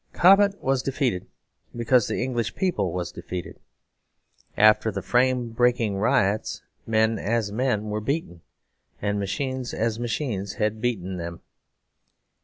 Cobbett was defeated because the English people was defeated. After the frame breaking riots, men, as men, were beaten: and machines, as machines, had beaten them.